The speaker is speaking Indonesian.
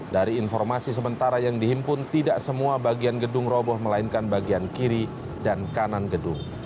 dari informasi sementara yang dihimpun tidak semua bagian gedung roboh melainkan bagian kiri dan kanan gedung